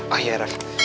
ah ya ref